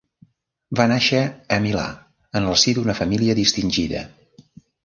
Va nàixer a Milà, en el si d'una família distingida.